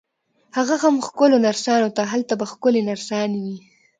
هغه هم ښکلو نرسانو ته، هلته به ښکلې نرسانې وي.